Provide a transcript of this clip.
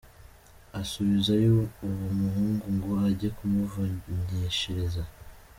Asubizayo uwo muhungu ngo ajye kumuvunyishiriza.